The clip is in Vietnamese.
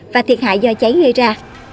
và thiệt hại do cháy gây ra